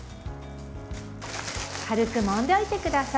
軽く、もんでおいてください。